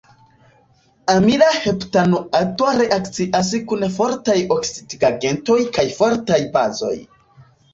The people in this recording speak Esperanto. Amila heptanoato reakcias kun fortaj oksidigagentoj kaj fortaj bazoj.